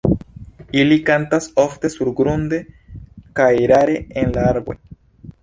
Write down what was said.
Ili kantas ofte surgrunde kaj rare en la arboj.